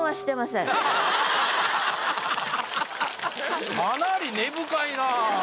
かなり根深いな。